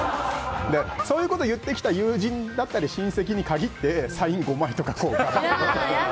そういうことを言ってきた友人や親戚に限ってサイン５枚とか、こう。